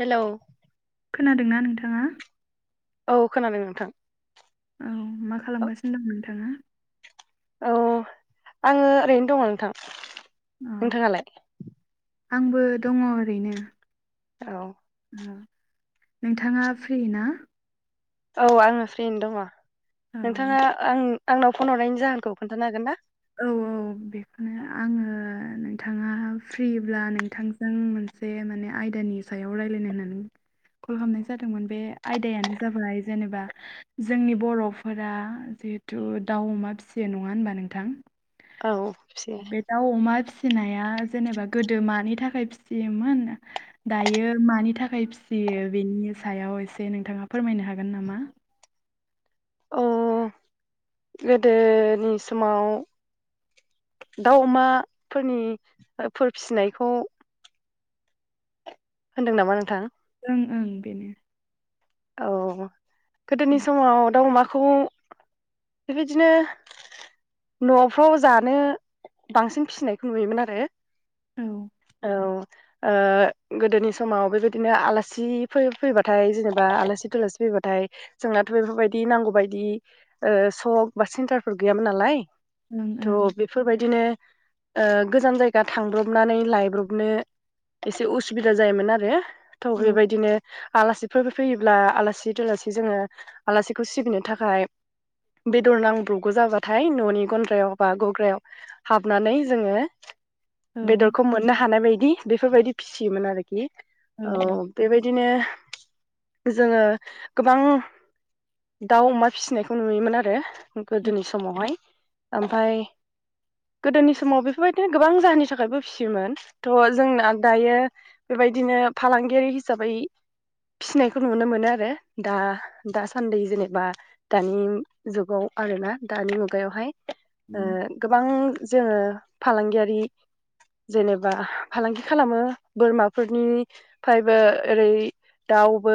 हेल' खोनादोंना नोंथाङा औ खोनादों नोंथां औ मा खालामगासिनो दं नोंथाङा औ आङो ओरैनो दङ नोंथां औ नोंथाङालाय आंबो दङ ओरैनो औ नोंथाङा फ्रि ना औ आङो फ्रियैनो दङ औ नोंथाङा आं आंनाव फन हरनायनि जाहोनखौ खोन्थानो हागोन ना औ औ बेखौनो आङो नोंथाङा फ्रिब्ला नोंथांजों मोनसे माने आयदानि सायाव रायजलायनो होननानै कल खालामनाय जादोंमोन बे आयदायानो जाबाय जेनेबा जोंनि बर'फोरा जिहेथु दाउ अमा फिसियो नङा होनबा नोंथां औ खेबसे बे दाउ अमा फिसिनाया जेनेबा गोदो मानि थाखाय फिसियोमोन दायो मानि थाखाय फिसियो बेनि सायाव एसे नोंथाङा फोरमायनो हागोन नामा गोदोनि समाव दाउ अमाफोरनिफोर फिसिनायखौ होनदों नामा नोंथां ओं ओं बेनो औ गोदोनि ओं समाव दाउ अमाखौ बेबायदिनो न'फ्राव जानो बांसिन फिसिनायखौ नुयोमोन आरो औ ओं औ गोदोनि समाव बेबायदिनो आलासि फैबाथाय जेनबा बा आलासि दुलासि फैबाथाय जोंनाथ' बेफोरबायदि नांगौ बायदि सक बा सेन्टारफोर गैयामोन नालाय थ' ओं बेफोरबायदिनो गोजान जायगा थांब्रबनानै लायब्रबनो एसे उसुबिदा जायोमोन आरो थ' औ बेबायदिनो आलासिफोर फैयोब्ला आलासि दलासि जोङो आलासिखौ सिबिनो थाखाय बेदर नांब्रबगौ जाबाथाय न'नि गन्द्रायाव बा गग्रायाव हाबनानै जोङो औ बेदरखौ मोननो हानाय बायदि बेफोरबायदि फिसियोमोन आरोखि औ बेबायदिनो जोङो गोबां दाउ अमा फिसिनायखौ नुयोमोन आरो गोदोनि समावहाय ओमफ्राय गोदोनि समाव बेफोरबायदिनो गोबां जाहोननि थाखायबो फिसियोमोन थह जोंना दायो बेबायदिनो फालांगियारि हिसाबै फिसिनायखौ नुनो मोनो आरो दा दासान्दि जेनेबा दानि जुगाव आरोना दानि मुगायावहाय ओ उम गोबां जोङो फालांगियारि जेनेबा फालांगि खालामो बोरमाफोरनि फ्राययबो ओरै दाउ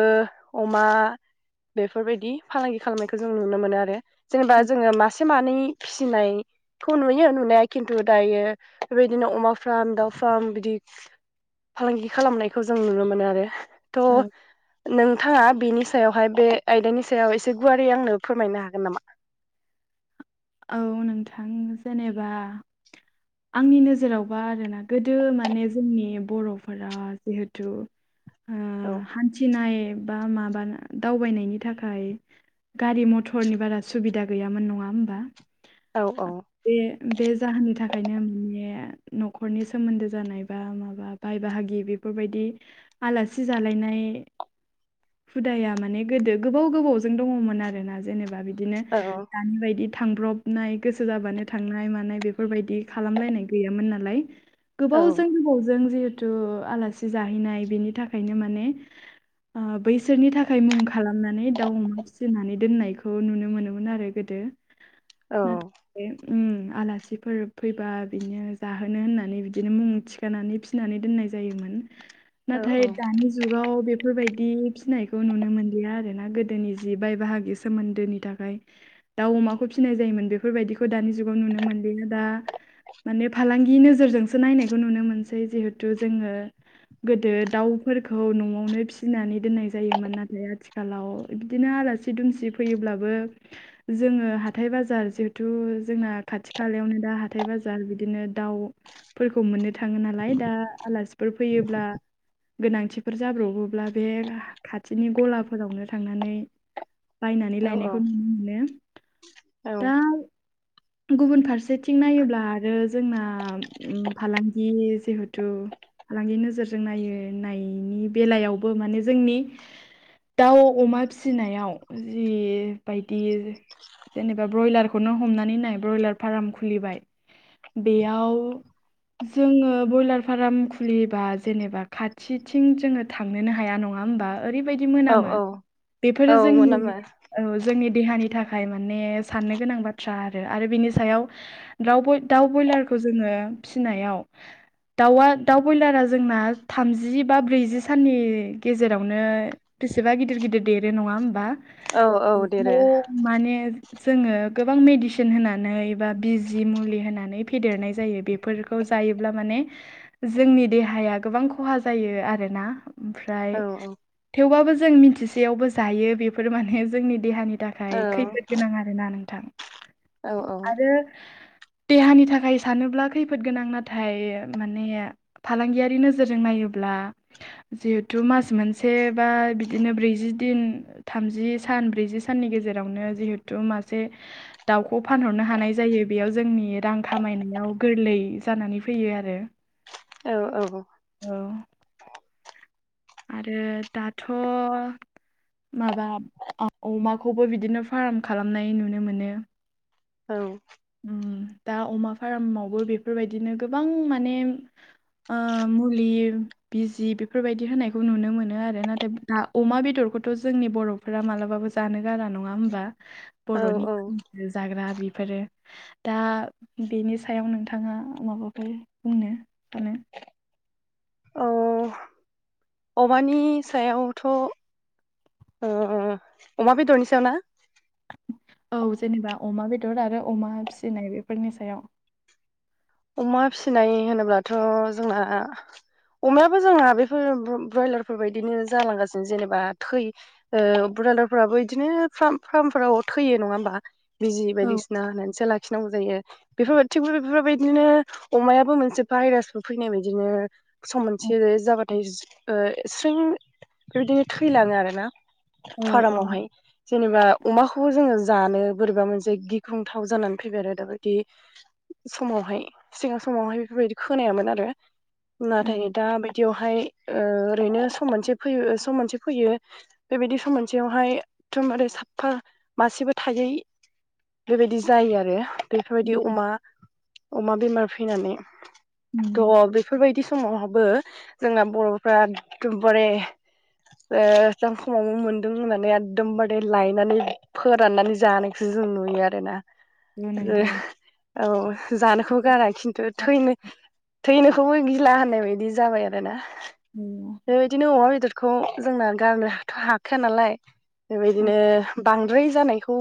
अमा बेफोरबायदि फालांगि खालामनायखौ जों नुनो मोनो आरो जेनेबा जोङो मासे मानै फिसिनाय थ नुयो नुनाया खिन्थु दायो बेबायदिनो अमा फार्म दाउ फार्म बिदि फालांगि खालामनायखौ जों नुनो मोनो आरो औ थ' नोंथाङा बेनि सायावहाय बे आयदानि सायाव एसे गुवारै आंनो फोरमायनो हागोन नामा औ नोंथां जेनेबा आंनि नोजोरावबा आरोना गोदो माने जोंनि बर'फोरा जिहेथु औ हान्थिनाय बा माबा दावबायनायनि थाखाय गारि मथरनि बारा सुबिदा गैयामोन नङा होमबा? औ औ बे बे जाहोननि थाखायनो माने न'खरनि सोमोन्दो जानाय बा माबा बाय बाहागि बेफोरबायदि आलासि जालायनाय हुदाया माने गोदो गोबाव गोबावजों दङमोन आरो ना जेनेबा बिदिनो औ दानि बायदि थांब्रबनाय गोसो जाबानो थांनाय मानाय बेफोरबायदि खालामलायनाय गैयामोन नालाय। औ गोबावजों गोबावजों जिहेथु आलासि जाहैनाय बेनि थाखायनो माने बैसोरनि थाखाय मुं खालामनानै दाउ अमा फिसिनानै दोननायखौ नुनो मोनोमोन आरो गोदो औ थ आलासिफोर फैबा बिदिनो जाहोनो होननानै बिदिनो मुं थि नानै थिनानै दोननाय जायोमोन। औ नाथाय दानि जुगाव बेफोरबायदि फिसिनायखौ नुनो मोनलिया आरोना गोदोनि जि बाय बाहागि सोमोन्दोनि थाखाय ओमफ्राय दाउ अमाखौ फिसिनाय जायोमोन बेफोरबायदिखौ दानि जुगाव नुनो मोनलिया दा माने फालांगि नोजोरजोंसो नायनायखौ नुनो मोनसै जिहेथु जोङो गोदो दाउफोरखौ न'आवनो फिसिनानै दोननाय जायोमोन। नाथाय आथिखाल आथिखालाव बिदिनो आलासि दुमसि फैयोब्लाबो जोङो हाथाय बाजार जिहेथु जोंना खाथि खालायावनो दा हाथाय बाजार बिदिनो दाउ फोरखौ मोननो थाङो नालाय दा आलासिफोर फैयोब्ला गोनांथिफोर जाब्रबोब्ला बे खाथिनि गलाफोरावनो थांनानै बायनानै औ लायनायखौ नुनो मोनो दा गुबुन फारसेथिं नायोब्ला आरो जोंना आलासि जिहेथु फालांगि नोजोरजों नायो नायनि बेलायावबो माने जोंनि दाउ अमा फिसिनायाव जि बायदि जेनेबा ब्रयलारखौनो हमनानै नाय ब्रयलार फार्म खुलिबाय बेयाव जोङो ब्रयलार फार्म खुलियोब्ला जेनेबा खाथिथिं जोङो थांनोनो हाया नङा होमबा ओरैबायदि औ मोनामो औ औ बेफोरो मोन जोंनि नामा औ जोंनि देहानि थाखाय माने साननो गोनां बाथ्रा आरो आरो बिनि सायाव दाउ दाउ ब्रयलारखौ जोङो फिसिनायाव दाउआ दाउ ब्रयलारा जोंना थामजि बा ब्रैजि साननि गेजेरावनो बेसेबा गिदिर गिदिर देरो नङा होमबा? औ औ बेखौ देरो माने जोङो गोबां मेडिसिन होनानै बा बिजि मुलि होनानै फेदेरनाय जायो। बे बेफोरखौ जायोब्ला माने जोंनि देहाया गोबां खहा जायो आरोना। औ ओमफ्राय थेवबाबो जों मिथिसेयावबो जायो बेफोर माने जोंनि देहानि थाखाय औ ओमफ्राय खैफोद गोनां आरोना नोंथां औ आरो देहानि थाखाय सानोब्ला खैफोद गोनां नाथाय माने फालांगियारि नोजोरजों नायोब्ला जिहेथु मास मोनसे बा बिदिनो ब्रैजि दिन थामजि सान ब्रैजि साननि गेजेरावनो जिहेथु मासे दाउखौ फानहरनो हानाय जायो बेयाव जोंनि रां खामायनायाव गोरलै जानानै फैयो आरो। [inaudible] औ औ औ औ आरो दाथ' माबा अमाखौबो बिदिनो फार्म खालामनाय नुनो मोनो। औ दा अमा फार्मावबो बेफोरबायदिनो गोबां माने मुलि बिजि बेफोरबायदि होनाय बे खौ नुनो मोनो आरो नाथाय दा अमा बेदरखौथ' जोंनि बर'फोरा मालाबाबो जानो गारा नङा होमबा? औ बर'नि जाग्रा बेफोरो दा बेनि सायाव नोंथाङा माबाफोर बुंनो सानो औ औ अमानि सायावथ ओ अमा बेदरनि सायावना औ जेनेबा अमा बेदर आरो अमा फिसिनाय बेफोरनि सायाव अमा फिसिनाय होनोब्लाथ जोंना अमायाबो जोंहा बेफोर ब्रयलारफोरबायदिनो जालांगासिनो जेनेबा थै ओ ब्रयलारफ्राबो बिदिनो फार्मफोराव थैयो नङा होमबा बिजि औ बायदिसिना होननानैसो लाखिनांगौ जायो बेफोरबायदि थिग बेफोरबायदि नो अमायाबो मोनसे भायरासबो फैनाय बायदिनो सम औ मोनसे जाबाथाय ओ स्रिं बेबायदिनो थैलाङो आरोना औ औ फार्मआवहाय जेनेबा अमाखौबो जोङो जानो बोरैबा मोनसे गिख्रंथाव जानानै फैबाय आरो दाबादि समावहाय सिगां समावहाय बेफोरबायदि खोनायामोन आरो नाथाय औ दा बेयावहाय ओरैनो सम मोनसे फैयो सम मोनसे फैयो बेबायदि सम मोनसेयावहाय एदमबारे साफा मासेबो थायै बेबायदि जायो आरो बेफोरबायदि नंगौ अमा अमा बेमार फैनानै थ बे बेफोरबायदि समावहाबबो जोंना बर'फ्रा एदमबारे एदम खमावनो मोनदों होननानै एखदमबारै लायनानै फोराननानै जानाय जों नुयो आरोना आरो नंगौ औ जानोखौ गारा खिन्थु थैनो थैनोखौबो गिला होननाय बायदि जाबाय आरोना बेबायदिनो अमा बेदरखौ जोंना गारनो हाथ हाखाया नालाय औ बेबायदिनो बांद्राय जानायखौ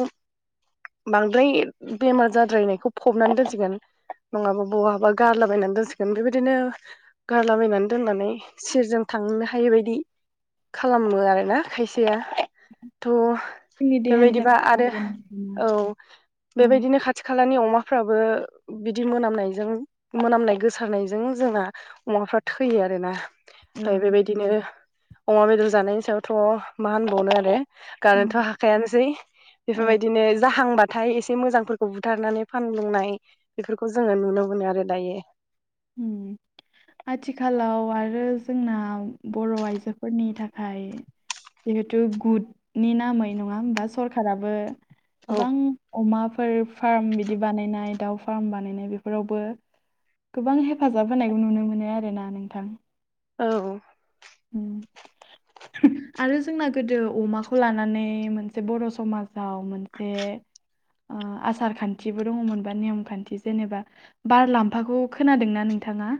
बांद्राय बेमार जाद्रायनायखौ फबनानै दोनसिगोन नङाबा बहाबा गारलाबायनानै दोनसिगोन बेबायदिनो गारलाबायनानै दोननानै सेरजों थांनो हायै बायदि खालामो आरोना खायसेया थ जोंनि देहानि बेबायदिबा थाखाय आरो मोजां नंगौना? औ औ बेबायदिनो खाथि खाथि खालानि अमाफ्राबो बिदि मोनामनायजों मोनामनाय गोसारनायजों जोंना अमाफ्रा थैयो आरोना ओमफ्राय औ बेबायदिनो अमा बेदर जानायनि सायावथ मा होनबावनो आरो गारनोथ हाखायानोसै औ बेफोरबायदिनो जाहांबा थाय एसे मोजांफोरखौ बुथारनानै फानलुंनाय बेफोरखौ जोङो नुनो मोनो आरो दायो उम आथिखालाव आरो जोंना बर' आइजोफोरनि थाखाय जिहेथु गुदनि नामै नङा होमबा सरखाराबो औ गोबां अमाफोर फार्म बिदि बानायनाय दाउ फार्म बानायनाय बेफोरावबो गोबां हेफाजाब होनायखौ नुनो मोनो आरोना नोंथां औ उम [unintelligible] आरो जोंना गोदो अमाखौ लानानै मोनसे बर' समाजाव मोनसे आसार खान्थिबो दङमोनबा नेयम खान्थि जेनेबा बारलाम्फाखौ खोनादोंना नोंथाङा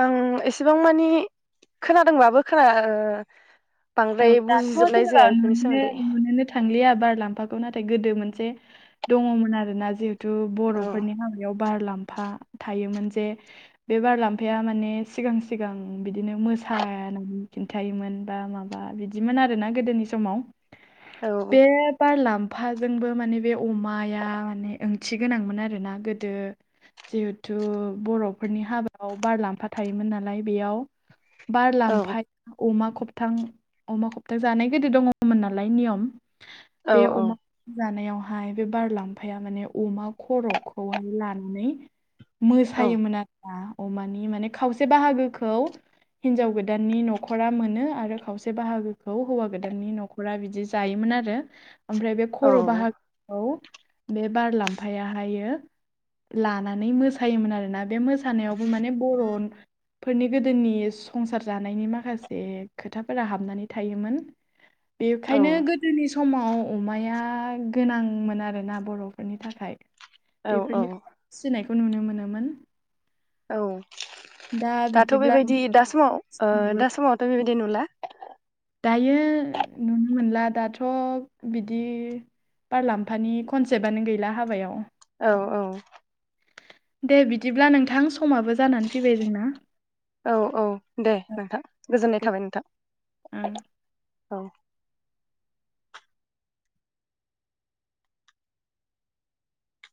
आं एसेबां मानि खोनादोंबाबो खोना औ बांद्राय दाथ बुजिजोबनाय जेनेबा जाया बेफोरनि नुनोनो सोमोन्दै नुनोनो थांलिया बार लांफाखौ नाथाय गोदो मोनसे दङमोन आरोना जिहे थु औ बर'फोरनि हाबायाव बार लाम्फा थायोमोन जे बे बारलामफाया माने सिगां सिगां बिदिनो मोसानानै खिन्थायोमोन बा माबा बिदिमोन आरोना गोदोनि समाव औ बे बारलामफाजोंबो माने बे अमाया माने ओंथि गोनांमोन आरोना गोदो जिहेथु बर'फोरनि हाबायाव बारलाम्फा थायोमोन नालाय बेयाव बार औ लामफाया अमा खबथां अमा खबथा जानाय गोदो दङमोन नालाय नियम औ बे अमा जानायावहाय बे बारलांफाया माने अमा खर'खौहाय लानानै औ मोसायोमोन आरोना अमानि माने खावसे बाहागोखौ हिनजाव गोदाननि न'खरा मोनो आरो खावसे से बाहागोखौ हौवा गोदाननि न'खरा बिदि जायोमोन आरो ओमफ्राय बे खर' बाहागो औ औ बे बार लाम्फायाहायो लानानै मोसायोमोन आरोना बे म मोसानायावबो माने बर' फोरनि गोदोनि संसार जानायनि माखासे खोथा फोर हाबनानै थायोमोन औ बेखायनो गोदोनि समाव अमाया गोनांमोन आरोना बर'फोरनि थाखाय औ औ बेफोरनि सिनायखौ नुनो मोनोमोन औ दा दाथ' बिदिब्ला बेबायदि दा समाव ओ नोंसिनाबो दा समावथ' बेबायदि नुला दायो नुनो मोनला दाथ' बिदि बार लाम्फानि कनसेप्टआनो गैला हाबायाव औ औ दे बिदिब्ला नोंथां समाबो जानानै फैबाय जोंना औ औ दे नोंथां गोजोननाय गो- थाबाय नोंथां ओं औ